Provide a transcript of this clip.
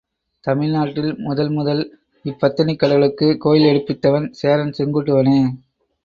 தமிழ்நாட்டில் முதல் முதல் இப்பத்தினிக் கடவுளுக்கு கோயில் எடுப்பித்தவன் சேரன் செங்குட்டுவனே.